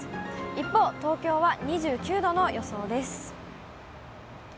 一方、東京は２９度の予想です。